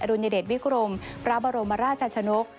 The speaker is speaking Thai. ดุญเดชวิกรมพระบรมราชชนก